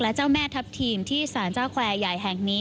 และเจ้าแม่ทัพทีมที่สารเจ้าแควร์ใหญ่แห่งนี้